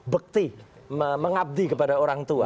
bekti mengabdi kepada orang tua